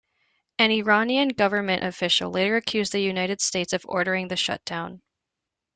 An Iranian government official later accused the United States of ordering the shutdown.